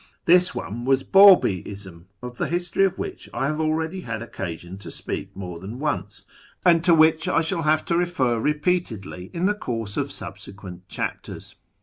This one was Babiism, of the history of which I ave already had occasion to speak more than once, and to ISO A YEAR AMONGST THE PERSIANS which I shall have to refVv repeatedly in Ihe course of sul)se quent chapters.